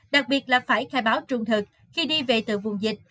đặc biệt là phải khai báo trung thực khi đi về từ vùng dịch